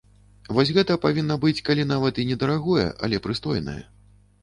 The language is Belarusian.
Вось гэта павінна быць калі нават і не дарагое, але прыстойнае.